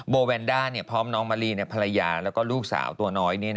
โบแวนด้าพร้อมน้องมะรีพระยาและลูกสาวตัวน้อย